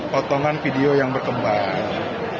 potongan video yang berkembang